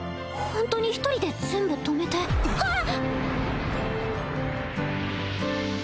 ホントに１人で全部止めてわっ！